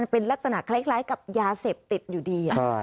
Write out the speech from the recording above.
เป็นลักษณะคล้ายกับยาเสพติดอยู่ดี